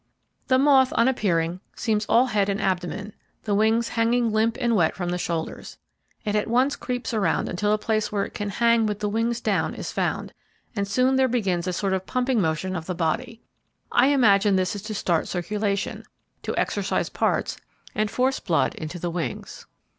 The moth, on appearing, seems all head and abdomen, the wings hanging limp and wet from the shoulders. It at once creeps around until a place where it can hang with the wings down is found, and soon there begins a sort of pumping motion of the body. I imagine this is to start circulation, to exercise parts, and force blood into the wings.